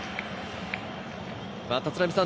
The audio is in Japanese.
立浪さん